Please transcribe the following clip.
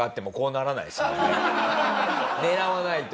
狙わないと。